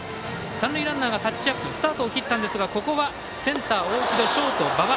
三塁ランナーがタッチアップスタートを切ったんですがここはセンター大城戸ショート馬場